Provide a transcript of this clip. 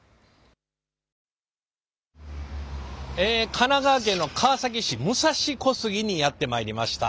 神奈川県の川崎市武蔵小杉にやってまいりました。